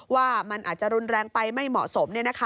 ว่ามันอาจจะรุนแรงไปไม่เหมาะสม